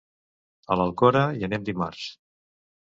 A l'Alcora hi anem dimarts.